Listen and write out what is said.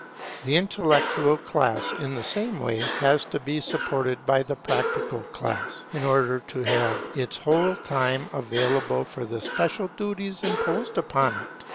The intellectual class, in the same way, has to be supported by the practical class, in order to have its whole time available for the special duties imposed upon it.